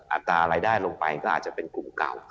อัตรารายได้ลงไปก็อาจจะเป็นกลุ่มเก่า